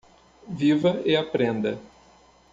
Viva e aprenda.